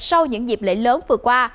sau những dịp lễ lớn vừa qua